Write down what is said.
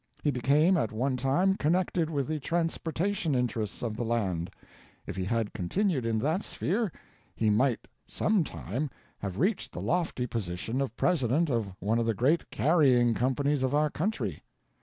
He became at one time connected with the transportation interests of the land. If he had continued in that sphere he might some time have reached the lofty position of President of one of the great carrying companies of our country.